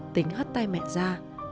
tính hất tay mẹ ra